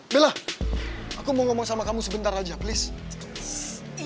bela aku mau ngomong sama kamu sebentar aja please